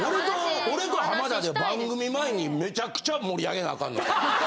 俺と浜田で番組前にめちゃくちゃ盛り上げなあかん。